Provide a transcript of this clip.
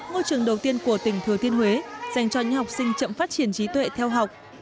ngôi trường đầu tiên của tỉnh thừa thiên huế dành cho những học sinh chậm phát triển trí tuệ theo học